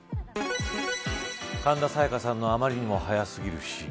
神田沙也加さんのあまりにも早すぎる死。